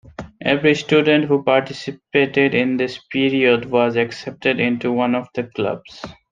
Every student who participated in this period was accepted into one of the clubs.